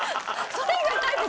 それ以外ないの？